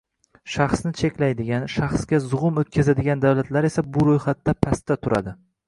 Shaxsni cheklaydigan, shaxsga zug‘um o‘tkazadigan davlatlar esa bu ro‘yxatda pastda turadi.